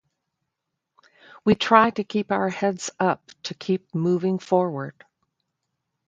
We try to keep our heads up, to keep moving forward,